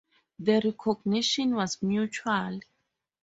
The recognition was mutual.